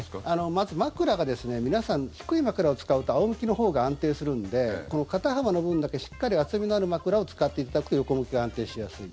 まず枕が、皆さん低い枕を使うと仰向けのほうが安定するので肩幅の分だけしっかり厚みのある枕を使っていただくと横向きが安定しやすい。